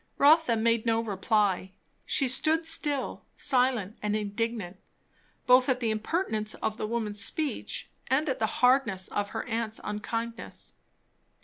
Rotha made no reply. She stood still, silent and indignant, both at the impertinence of the woman's speech and at the hardness of her aunt's unkindness.